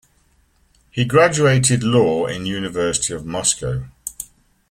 He graduated law in university of Moscow.